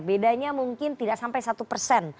bedanya mungkin tidak sampai satu persen